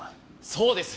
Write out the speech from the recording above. そうです。